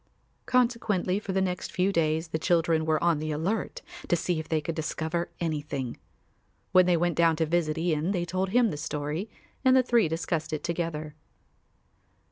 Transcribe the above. Consequently for the next few days the children were on the alert to see if they could discover anything. When they went down to visit Ian they told him the story and the three discussed it together.